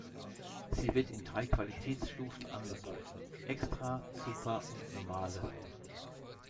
Sie wird in drei Qualitätsstufen angeboten: "extra", "super" und "normale".